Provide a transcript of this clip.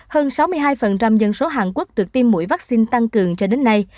hơn sáu mươi hai dân số hàn quốc được tiêm mũi vaccine tăng cường cho đến nay